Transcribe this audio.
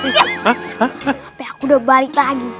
tapi aku udah balik lagi